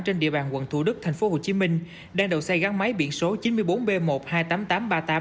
trên địa bàn quận thủ đức tp hcm đang đầu xe gắn máy biển số chín mươi bốn b một trăm hai mươi tám nghìn tám trăm ba mươi tám